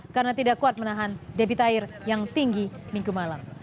karena tidak kuat menahan debit air yang tinggi minggu malam